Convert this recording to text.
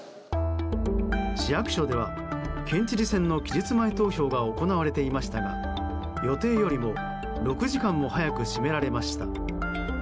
市役所では県知事選の期日前投票が行われていましたが予定よりも６時間も早く閉められました。